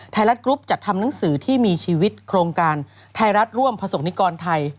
ไทยรัฐกรุ๊ปจัดทำหนังสือที่มีชีวิตโครงการไทยรัฐร่วมประสบนิกรไทย